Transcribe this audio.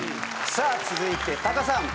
さあ続いてタカさん。